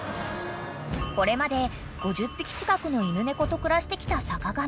［これまで５０匹近くの犬猫と暮らしてきた坂上］